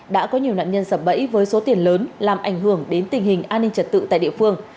đã có nhiều nạn nhân sập bẫy với số tiền lớn làm ảnh hưởng đến tình hình an ninh trật tự tại địa phương